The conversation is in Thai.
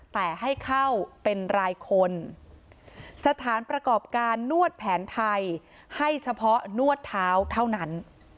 แต่ให้เข้าเป็นรายคนสถานประกอบการนวดแผนไทยให้เฉพาะนวดเท้าเท่านั้น